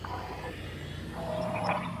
علمي تحقیق په زوره نه تحمیلیږي.